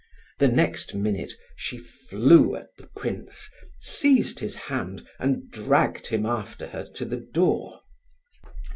The next minute she flew at the prince, seized his hand, and dragged him after her to the door.